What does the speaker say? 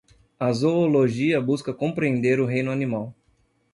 A zoologia busca compreender o reino animal